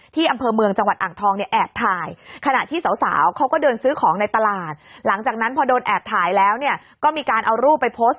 ที่อำเภอเมืองจังหวัดอ่างทองเนี่ยแอบถ่ายขณะที่สาวเขาก็เดินซื้อของในตลาดหลังจากนั้นพอโดนแอบถ่ายแล้วเนี่ยก็มีการเอารูปไปโพสต์